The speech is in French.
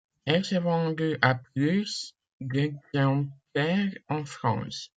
Elle s'est vendue à plus de exemplaires en France.